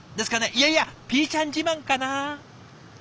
いやいやピーちゃん自慢かな？